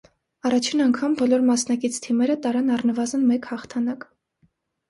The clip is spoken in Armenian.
Առաջին անգամ բոլոր մասնակից թիմերը տարան առնվազն մեկ հաղթանակ։